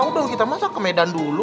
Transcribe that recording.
udah kita masak ke medan dulu